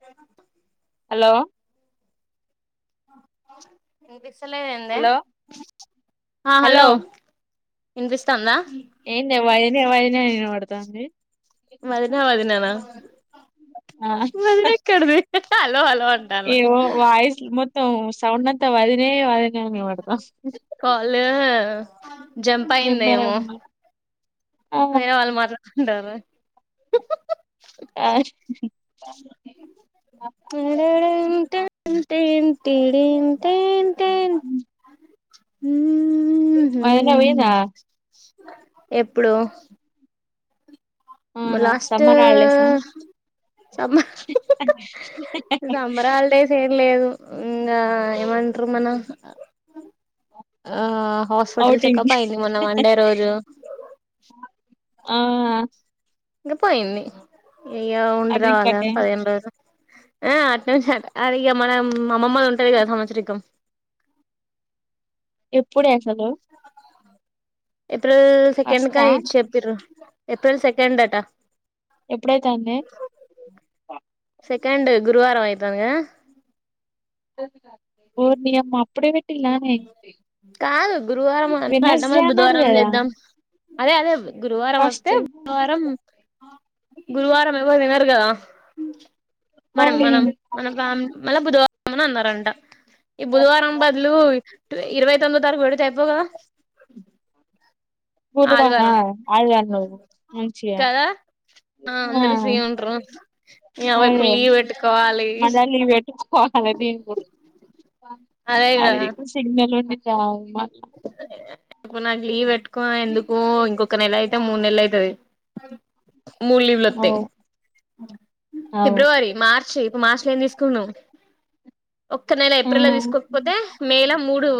అ hello వస్తుంది hello ఆ hello ఇనిపిస్తాందా ఏందే వదినే వదినే అని వినపడతాంది వదిన వదిన నా ఆ వదినెక్కడిది హలో హాలో అంటాన తం సౌండ్ వాతే వదినే వదినే అని వినపడతాంది కాల్ ఏ ఆ జంప్ అయిందేమో జంపేనట్టు ఆ వేరే వాళ్ళు మాట్లాడుకుంటారు ఆ ఏడే ఏడే ఇంట తింటిదింటిటీ అ హ్మ్మ్... మా వదినపోయిందా ఎప్పుడో అవునా లాస్ట్ సమ్మర్ హాలిడేసా సంమ్మ సంమ్మర్ హాలీడేస్ ఎం లేదు ఇంగా ఏమంటారు మన అ ఆ హాస్పిటల్ ఔటింగ్ చెకప్ ఐయింది మొన్నా మండే రోజు ఆ ఇంకా పోయింది అయ్య ఉండ రావాళ్ల అడిక్కటే పదిహేను రోజులు ఆ అ అది ఇక మన అమ్మమ్మలు ఉంటారు కదా సంవత్సరక ఎప్పుడు హలో ఏప్రిల్ సెకండ్ కాని ఇ చెప్పారు ఏప్రిల్ సెకండ్టా ఎప్పుడైతే అండి సెకండ్ గురువారం అయితాదిగద నియమప్పుడే వి కాదు గురువారం అ అడంమ వెడ్నెస్డే అన్నారు బుధవారం కదా చేద్దాం అదే అదే గురువారం ఫస్ట్ వస్తే బుధవారం గురువారాము ఎవరుతినరుకదా మన మనం అవును మన మన బుధ అన్న రంట ఈ బుధవారం బదులు ఇరవై తొమ్మిో తారీఖు పెడితే అయిపో కదా గురు అ ఆదివారం మంచి అ కదా ఆ అందరు ఫ్రీ ఉంట్రు నీ యవ్వ ఇప్పుడు లీవ్ పెట్టుకోవాలి మనవ్ కోాల బీ గురు ఆది రెడ్ సిగ్నల్ కా మొన్న లివ్ పెట్టుకున్న హ ఎందుకు ఇంకొక నెల అయితే మున్నెలు అయితుది మూడు లీవ్లు వస్తా అవు అవు ఫిబ్రవరి మార్చి ఇప్పు మార్చి లో ఏం తీసుకు ను్వు ఒక్క నెల ఆ ఏప్రిల్ తీసుకోకపోతే మే ల మూడు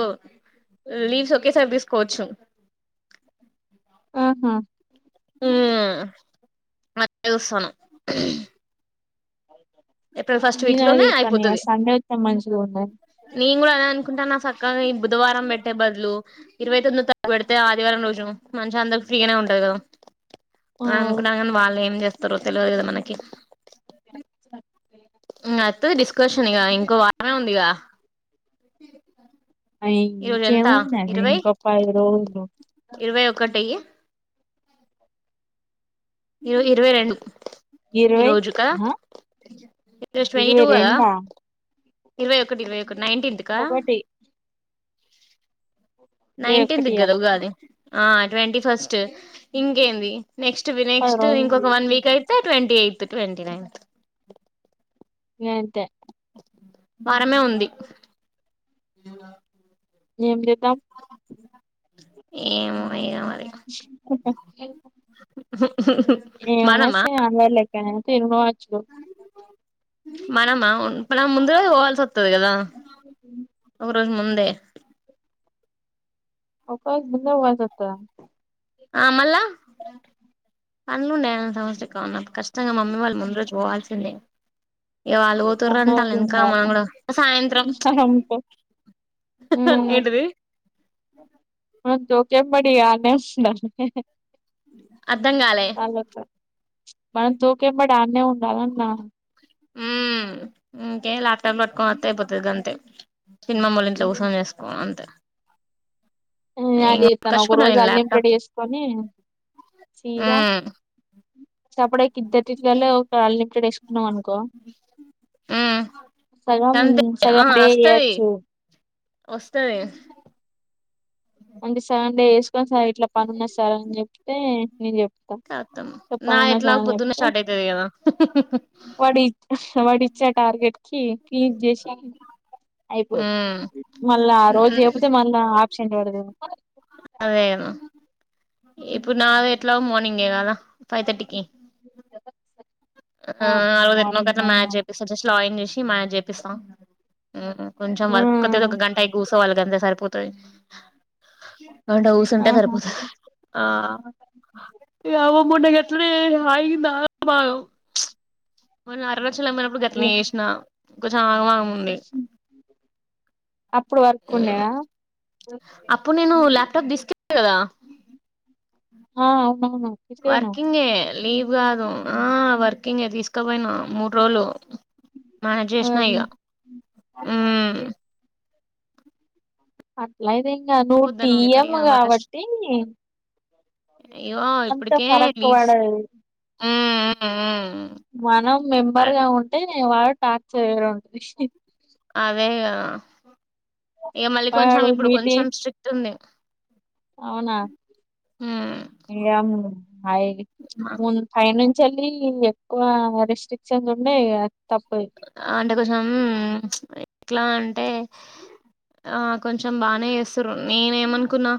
లీవ్ ఓకే సార్ిస్ కోచు ఆహా ఉ మసనం ఏప్రిల్ ఫస్ట్ నేను వీక్ అదే లోనే చూత్తన్న ఇగ అయిపోతుది సండే వత్తే మంచిగా ఉన్నది నేను కూడా అ కుంటనా సక్కగా బుధవారం వె పెట్టే బదులు ఇరవై తొమ్మిది తగ్గ పెడితే ఆదివారం రోజును మనిషి అందరికి ఫ్రీనే ఉంటారు కదా అవు అనుకున్న గాని వాళ్ళు ఏం చేస్తారు తరు తెలిదు కదా మనకి అయితది డిస్కషన్ ఇగా ఇంకో వారమే ఉందిగా అ ఈరోజు ఎంత చెవు ఇరవై ఇరవై [unintelligible] ఒకటి ఇ ఇ ఇరవై రెండు ఈ ఇరవై రోజు కదా ఈరోజు ట్వంటీ ఇరవై టూ కదా రెండు ఆ ఇరవై ఒకటి ఇరై ఒకటి క నైన్టీంత్ కా ఇరవై ఒకటి నైన్టీన్త్ి ఇయ్యాల గదగాది ఆ ట్వంటీ ఫస్ట్ ఇంకేంది నెక్స్ట్ వి పది నెక్స్ట్ రోజులు ఇంకొక వన్ వీక్ అయితే ట్వీ ఎయిత్ ట్వంట నైన్త్ ఏంత వారమే ఉంది ఏం చేద్దాం ఏం అ ఓకే ఏ మనమా థ్యాంక్ యు వాచ్ లు మనమా ముందగా పోల్ స త్తది కదా ఒకరోజు ముందే అవకాశ బంద వసా ఆమల్ల పన్నండ ఏ సమస్ ఉన్న కష్టంగా మమ్మీ వాళ్ళు ముందురోజు పోవాల్సి సిందె ఇ వాళ్ళు పోతుర్రు అంట మనోళ్ళు ఆళ్ల ఎనుకా మనం ఉండాలే కూడ సాయంత్రం చ్ సరంతో హా హా ఉమ్ ఏంటిది చెంబ్ అడిగా అనేస్తుంది ఆన్నే అర్ధం కాలే [unintelligible] దాన్నే ఉండాలన్నా ఉ ఇంకే ల్యాప్టాప్ పట్టుకొని అంత అయిపోతుది అంతే సినిమా మల్ ఇంట్లో కూర్సం చేసుకోడం అంతే ఇంగ అగేస్తాను ఒక పట్టుకొచ్చుకుంటా రోజు నేను అన్లిమిటెడ్ ల్యాప్టాప్ వేసుకొని సీదా ఉమ్ అప్పుడే ఇద్దరు [inaudible] ఒక అన్లిమిటెడ్ వేసుకున్నాం అనుకో ఉమ్ సగం గంతే ఆ సగం డే వస్తది చేయచ్చు వస్తది అండ్ సెవెన్ డేస్ సార్ ఇట్లా పని ఉంది సార్ అని చెప్తే నేను చెప్తా కాతం ఇట్లా నా పని ఉన్నది ఎట్లా సార్ అని పొద్దున్న చెప్తే షార్ట్ అయితది కదా వాడు ఇచ్చే టార్గెట్ కి క్లీన్ చేసి అయిపోద్ది ఉమ్ మళ్ళా ఆ రోజు అయిపోతే మళ్ళా ఆప్షెంట్ పడదు అదేనా ఇప్పుడు నాది ఎట్లాగో మార్నింగే కదా ఫైవ్ తర్టీకి ఆ ఆలుగు గట్ల మాకు మార్నింగ్ ఒక మ్యాచ్ అవునా చేపిస్తరు జస్ట్ లాయింగ్ చేసి షీ మాయ జేపిస్తాం కొంచెం వర్క్ అతే ఒక ఉమ్ గంట అయి కూ సవాల్ కంద సరిపోతది గంట కూసుంటే ఆహా సరిపోతది [unintelligible] మొన్న అరుణాచలం పోయినపుడు గట్ల నె లే చేసిన కొంచెం ఆగమాగం ఉంది అప్పుడు వరకు ఉండేనా అప్పుడు నేను ల్యాప్టాప్ దీస్ కదా ఆ అవునువును వర్కింగ్ ఏ లీవ్ కాదు హ వర్కింగే తీసుకపోయినా మూడు రోజులు మన చేసినా ఇక ఓర్ని హ్మ్ అట్లా ఇ నువ్వు వద్దనుంది కానీ టిఎం ఇగ కాబట్టి ఇగో అంత ఫారక్ పడదు హ్మ్ హ్మ్ మనం మెంబర్ గా ఉంటే [unintelligible] అదేగాద. ఇగ మళ్ళీ కొంచం ఇప్పుడు కొంచం స్ట్రిట్ ఉంది. [unintelligible] హ్మ్ చేల్లి ఎక్కువ రెస్ట్రిక్షన్స్ ఉన్నాయ్ గద. అంటే కోసం ఎట్లా. అంటే ఆ కొంచెం బానే చేస్థుర్రు నేనే ఏమనుకున్నా,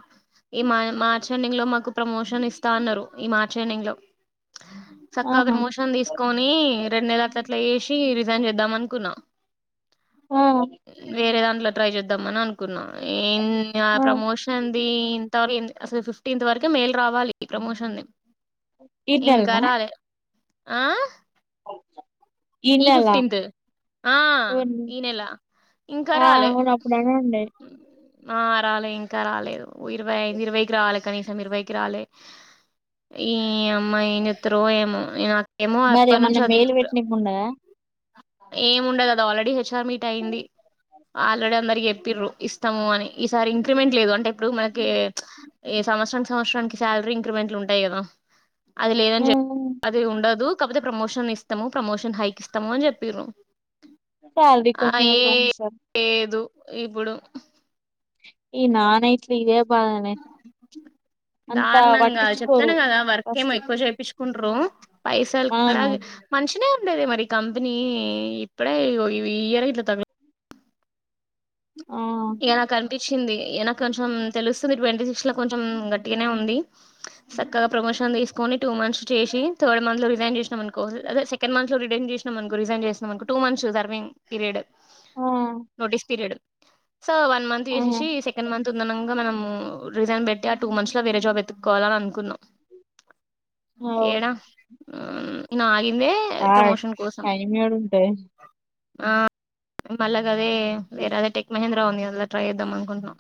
ఈ మ మార్చ ఎండింగ్ లో మాకు ప్రమోషన్ ఇస్తా అన్నారు, ఈ మార్చ ఎండింగ్ లో. చక్కగా ఆహా మోషన్ తీసుకొనీ రెండు నెల అట్ అట్ల యెసి. చేద్దాం అనుకున్నా. ఆ వేరే దాంట్ల ట్రై చేద్దాంమని అను. కున్న ఏ. ఏన్ అ ఆ ప్రమోషన్ ది ఇంతవీ. అసలు ఫిఫ్టీన్త్ వరకు మెల్ రావాలి ఇ ప్రమోషన్ ది. ఇ తేల్గు. ఆ. [inaudible] ఈ నెల ఫిఫ్టీన్త్ ఆ, ఉన్- ఈ నెలా, ఇంకా ఆ రాలే. అవును అప్పుడనే ఉండే ఆ రాలే ఇంకా రాలేదు ఇరవైఐది ఇరవైకి రాలే కనీసం ఇరవైకి రాలే ఈమ్. మా ఏంజెతారో ఏమో. [unintelligible] మరి ఏమన్నా మేలు పెట్టానికున్నదా. ఏ ముండా. ఉంటది ద ఆల్రెడీ చ్చ. కమిట్ అయింది. ఆల్రెడీ అందరికి చెప్పిర్రు ఇష్టము అని ఈసారి ఇంక్రిమెంట్ లేదు అంటే. ఇప్పుడు మనకె. ఈ సంవత్సరం సంవత్సరానికి శాలర్రి ఇంక్రిమెంట్లు ఉంటాయి గదా. అది లేదని చెప్ప అది ఉండదు. కపోతే ప్రమోషన్ ఇస్తాము ప్రమోషన్ హై. ఇష్టామ అని చెప్పిర్రు. సాలర్రి ఆ కొంచం ఏ ఎక్కువ ఇచ్చి సార్. లేదు ఇప్పుడు. ఈ నానైట్ట్లు ఈయం. దారుణంగా పట్టించుకోరు చెప్తాప్తేనే గదా వర్క్ ఏమో ఫస్ట్ ఎక్కువ చెపిచ్చు కుంట్రర్రు పైసల్ ఆ కాడ మంచినే గద. అేదే మరి కంపెనీ ఇప్పుడే ఇయర్ ఇట్లా తగల ఆ ఏలా కర నిించింది కొంచెం తెలుస్తుంది ట్వంటీ సిక్స్ లో కొంచెం గట్టిగానే ఉంది చక్కగా ప్రమోషన్ తీసుకొని టూ మంత్స్ చేసి థర్డ్ మంత్ లో రిజైన్ చేసిన సెకండ్ మంత్లో రం చేసిన రిజన్ చేినకు టూ మంత్స్ ర్నింగ్ పీరియడ్ ఆ notice period so one month ఆ చేసేసి సెకండ్ మంత్ ఉందనంగా మనము రిజైన్ పెట్టి ఆ టూ మంత్స్ లో వేరే జాబ్ ఎత్తుక్కోవాలని అనుకున్నాం అవు ఏడా నా ఆ టైమడుంట ఆ మళ్ళగదే వేరద టెక్ మహేంద్ర రావుని అలా ట్రై చేద్దాం అనుకుంటున్నాం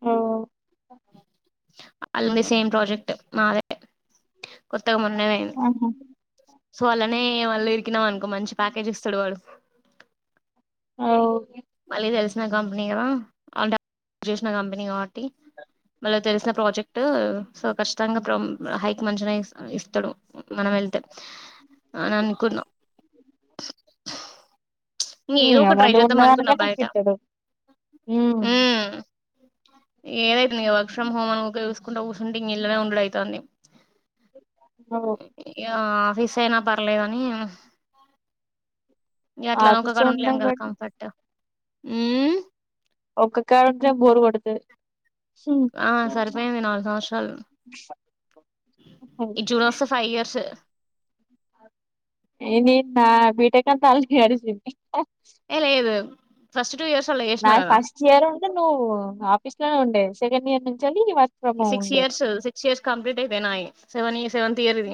అ అలాంది సేమ్ ప్రాజెక్ట్ మాదే త్త ఉన్నవను ఆహా సో అలానే మళ్ళు ఇరికినాం అనుకో మంచి ప్యాకేజ్ ఇస్తాడు వాడు అవు కడ చేసిన కంపెనీ కాబట్టి మళ్ళ తెలిసిన ప్రాజెక్ట్ సో ఖచ్చితంగా హైక్ మంచిగా ఇస్తాడు మనం వెళ్తే అని అనుకున్నాం ఇంక ఏదో ఒక ట్రై అమంట ఉన్న చేద్దాం కనక అనుకున్నా బయట నీకుట్టడు ఏదైతుందిీ వర్ ఫ్రమ్ హోమ్ అనుకో చూసుకుంటూ కూర్ుంటే ఇ న ఇల్ళనే ఉండడు అవుతుంది ఓ ఆ రీసయినా పర్లేదని ఎట్లా నౌకా ఆఫీస్ లో కడు లేం ఉండం కదా బట్టి కంఫర్ట్ ఆ ఒక్క కారంటం బూరు కొడుతు ఆ సరిపోయింది నాలుగు సంవత్సరాలు ఈ చూరీ వస్తే ఫైవ్ ఇయర్స్ ఏ నెన్ నా బి టెక్ అంత [unintelligible] ఏ లేడు ఫస్ట్ టూ ఇయర్స్ అలా నా చేసినా కదా ఫస్ట్ ఇయర్ ఉంటే నువ్వు ఆఫీస్ లోనే ఉండే సెకండియర్ నుంచెలి వల six years six years complete అయితే నాయి సెవెన్ సెవెంత్ ఇయర్ ఇది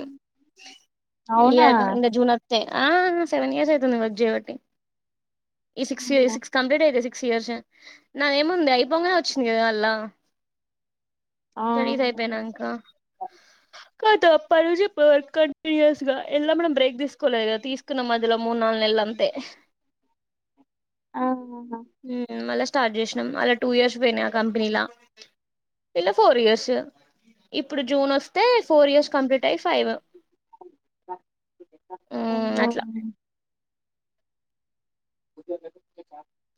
అవునా ఇగ జూన్ ఆ సెవన్ ఇయర్స్ అయితుంది వర్క్ జయవటి ఈ సిక్స్ అమ్మో! సిక్స్ కంప్లీట్ అయిది సి స్ ఇయర్ నా ఏమంది అయిపోంగనే వచ్చింది కదా అల్లా. ఆ స్టడీస్ ఐపోయానాక. కాద పల్జి వర్క్ కంటిన్యూస్గా ఎలా మనం బ్రేక్ తీసుకోలేదు కదా తీసుకున్న మధ్యలో మూడు నాలుగు నెలల అంతే. ఆఉనా ఉమ్ మళ్ళ స్టార్ట్ చేసినాం అలా టూ ఇయర్స్ పోయినాయి ఆ కంపెనీ ఇలా ఫోర్ ఇయర్స్ ఇప్పుడు జూన్ వస్తే ఫోర్ ఇయర్స్ కంప్లీట్ అయ ఫైవ్. మ్మ్ అవునా అట్లా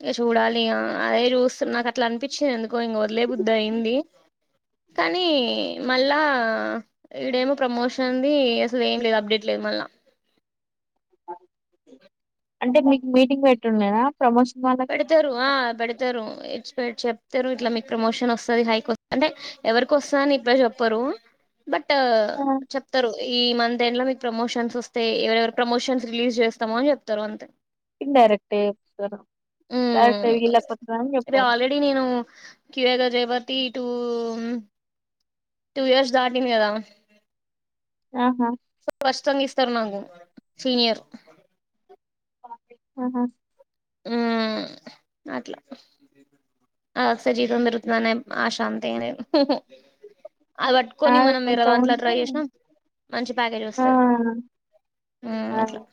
ఇంక చూడాలి ఇగా అదే చూస్తు నాకు అట్లా అనిపించింది ఎందుకో ఇంక వదిలే బుద్ధి అయింది కానీ మళ్ళా ఇడేమో ప్రమోషన్ది అసలు ఏం లేదు అప్డేట్ లేదు మళ్ళా. అంటే మీకు మీటింగ్ పెట్టుండు లేదా? పడుతరు ఆ పడుతరు ఇ చెప్తారు ఇట్లా మీకు ప్రమోషన్ వస్తుంది హైకి వస్తుంది. అంటే ఎవరికి వస్తు అని ఇప్పుడే చెప్పరు, బట్ చెప్తారు ఈ మంత్ ఎండ్ లో మీకు ప్రమోషన్స్ వస్తాయి. ఎవరెవరు ప్రమోషన్స్ రిలీజ్ చేస్తామో అని చెప్తారు అంతే. ఇన్ండైరెక్ట్ [unintelligible] ఉమ్ చెప్పారు [unintelligible] జయపతి ఇటూ టూ ఇయర్స్ దాటింది కదా ఆహా స్పష్టంగా ఇస్ ఇస్తారునకు సీనియర్ ఆ ఆహా ఉ అట్లా అస జీతం పేరుకుతుందనే ఆశాంతి అనే అది ఆ పట్టుకొని మనం వేరే కొంచెం దాంట్లో ఉంటే ట్రై చేసినాం మంచి ప్యాకేజ్ ఆ వస్తుంది హం అట్లా. అదే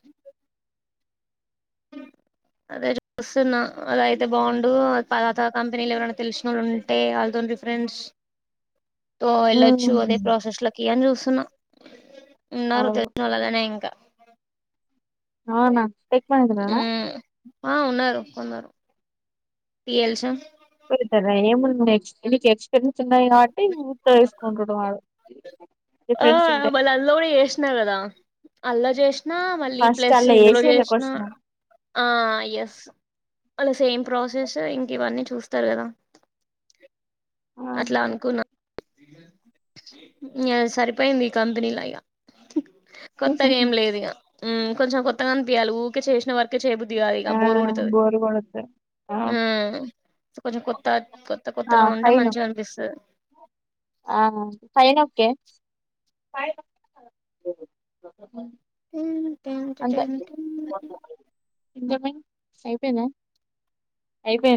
అదే చేస్తూన్న అద అే బాగుండు తర్వాత కంపెనీలో ఎవరైనా తెలుసుినళ్ళుం తేవెళ్తూనేడి ఫరెండ్స్ ఎయిల చు అదే ఉమ్ ప్రోసెస్లలో చేన్ చూసన్నా ఉన్నరు అవును తెలిసినోళ్ గానే ఇంకా అవునా టక్ [unintelligible] ఆ ఉన్నారు కొందరు తీల్సాం పోతారా ఏమ న [unintelligible] చిన్న చిన్న కాబాటి ఊత్త తీసుకుంటాడు వా ఆ మళ్ళీ అందులో కూడా చేసిన కదా అల్లా జెసి నా మళ్ళీ ఫస్ట్ ప్లస్ అలా ఇందులో ఏసీలో చేసిన కొట్టినం ఆ ఎస్ అలా సేమ్ ప్రాసెస్ ఇంక ఇవన్నీ చూస్తారు కదా. అట్లా అనుకున్నా ఎ సారి పైంది ఈ కంపెనీ ల ఇగ కొత్తగ ఏం లేదు ఇగ ఉ కొంచం కొత్తగాని పయి ఊరిే చేసిన వరకి క్క చేబుద్ిగాదు ఆ ఇక బోర్ కొడుతుంది బోరు కొడతది ఆ కొంచం కొత్త కొత్త ఆ కొత్తగా ఉంటే ఫైన్ మంచిగా అనిపిస్తుంది ఆ ఫైన్ కే ఫ ఏ టంత టె ఇమ అయిపోయిందా అయిపో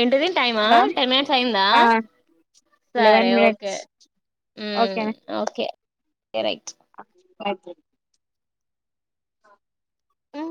ఏంటది టైమా హలో టెన్ మినిట్స్ అయిందా ఆ లెవెన్ సరే ఓకే మినిట్స్ ఓకేనా ఓకే ఎరైట్ పక ఆ